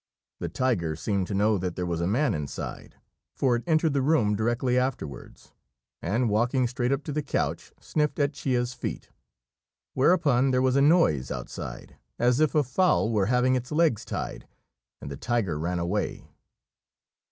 The tiger seemed to know that there was a man inside, for it entered the room directly afterwards, and walking straight up to the couch sniffed at Chia's feet. Whereupon there was a noise outside, as if a fowl were having its legs tied, and the tiger ran away.